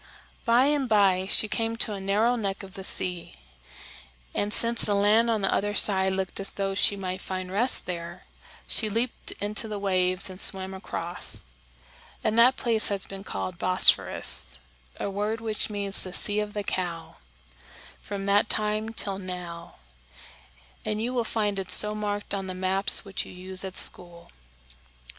"] By and by she came to a narrow neck of the sea, and, since the land on the other side looked as though she might find rest there, she leaped into the waves and swam across; and that place has been called Bosphorus a word which means the Sea of the Cow from that time till now, and you will find it so marked on the maps which you use at school.